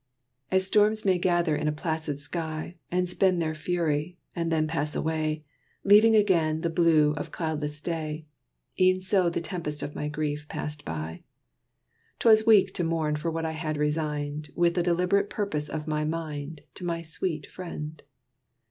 As storms may gather in a placid sky, And spend their fury, and then pass away, Leaving again the blue of cloudless day, E'en so the tempest of my grief passed by. 'T was weak to mourn for what I had resigned, With the deliberate purpose of my mind, To my sweet friend.